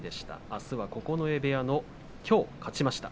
あすは九重部屋のきょう勝ちました